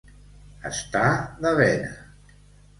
Estar de vena.